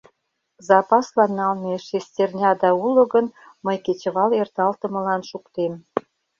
— Запаслан налме шестерняда уло гын, мый кечывал эрталтымылан шуктем...